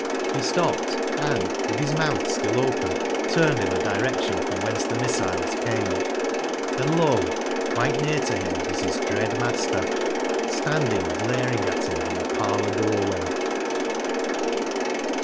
He stopped, and, with his mouth still open, turned in the direction from whence the missiles came, and lo ! quite near to him was his dread master, standing glaring at him in the parlour doorway.